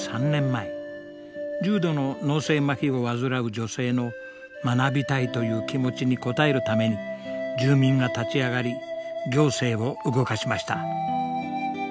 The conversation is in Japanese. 重度の脳性まひを患う女性の学びたいという気持ちに応えるために住民が立ち上がり行政を動かしました。